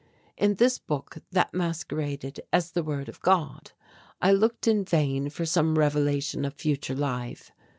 In this book that masqueraded as the word of God, I looked in vain for some revelation of future life.